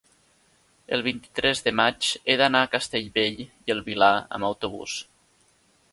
el vint-i-tres de maig he d'anar a Castellbell i el Vilar amb autobús.